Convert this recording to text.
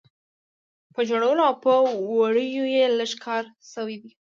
په جوړولو او په وړیو یې لږ کار شوی دی.